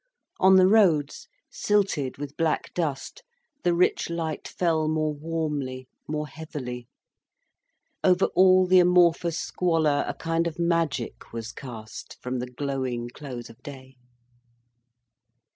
On the roads silted with black dust, the rich light fell more warmly, more heavily, over all the amorphous squalor a kind of magic was cast, from the glowing close of day.